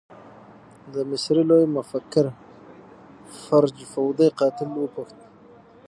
د مصري لوی مفکر فرج فوده قاتل وپوښت.